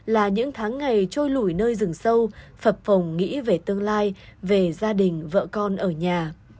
là những tháng ngày trôi lủi nơi rừng sâu sập phồng nghĩ về tương lai về gia đình vợ con ở nhà